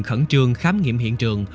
khẩn trường khám nghiệm hiện trường